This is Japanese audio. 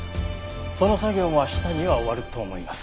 その作業も明日には終わると思います。